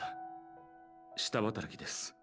下働きです。